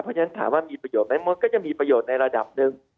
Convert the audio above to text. เพราะฉะนั้นถามว่ามีประโยชนไหมมดก็จะมีประโยชน์ในระดับหนึ่ง